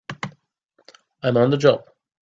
I'm on the job!